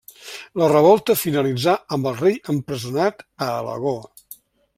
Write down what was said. La revolta finalitzà amb el rei empresonat a Alagó.